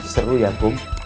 seru ya kum